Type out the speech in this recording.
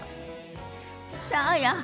そうよ。